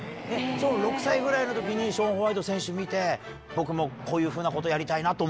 ６歳ぐらいの時にショーン・ホワイト選手見て僕もこういうふうなことやりたいなと思ったの？